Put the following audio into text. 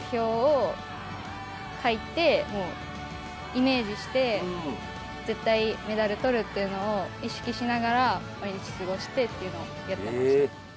イメージして絶対メダル獲るっていうのを意識しながら毎日過ごしてっていうのをやってました。